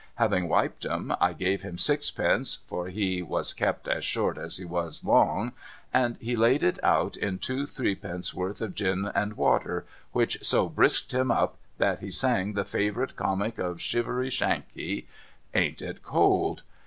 Having wiped 'em, I gave hun sixpence (for he was kept as short as he was long), and he laid it out in two threepenn'orths of gin and water, which so brisked him up, that he sang the Favourite Comic of Shivery Shakey, ain't it cold